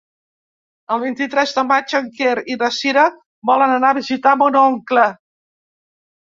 El vint-i-tres de maig en Quer i na Cira volen anar a visitar mon oncle.